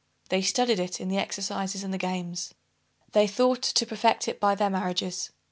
They studied it in the exercises and the games. They thought to perfect it by their marriages.